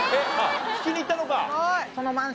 聞きに行ったのか。